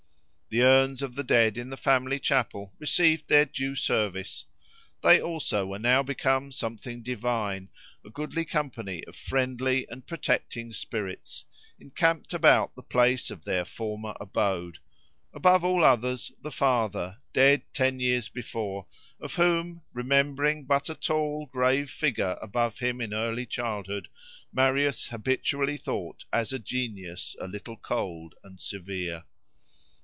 The urns of the dead in the family chapel received their due service. They also were now become something divine, a goodly company of friendly and protecting spirits, encamped about the place of their former abode—above all others, the father, dead ten years before, of whom, remembering but a tall, grave figure above him in early childhood, Marius habitually thought as a genius a little cold and severe.